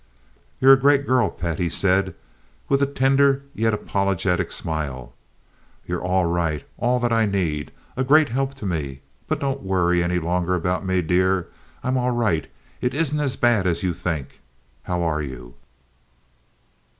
"You're a great girl, pet," he said, with a tender and yet apologetic smile. "You're all right—all that I need—a great help to me; but don't worry any longer about me, dear. I'm all right. It isn't as bad as you think. How are you?"